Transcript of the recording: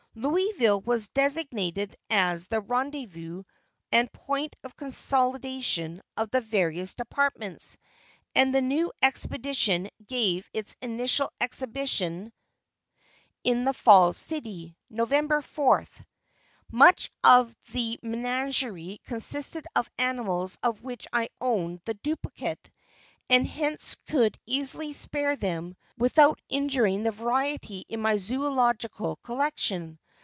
Louisville was designated as the rendezvous and point of consolidation of the various departments, and the new expedition gave its initial exhibition in the Falls City, November 4th. Much of the menagerie consisted of animals of which I owned the duplicate, and hence could easily spare them without injuring the variety in my zoölogical collection.